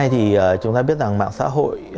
thì chúng ta biết rằng mạng xã hội